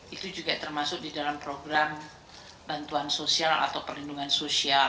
itu juga termasuk di dalam program bantuan sosial atau perlindungan sosial